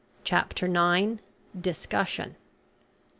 CHAPTER NINE. DISCUSSION.